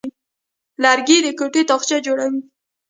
لرګی د کوټې تاقچه جوړوي.